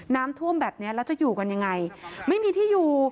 น้ำท่วมแบบนี้แล้วจะอยู่กันยังไงไม่มีที่อยู่